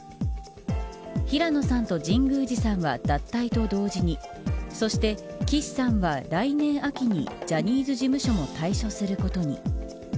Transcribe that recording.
平野さんと神宮寺さんは脱退と同時にそして岸さんは、来年秋にジャニーズ事務所も退所することに。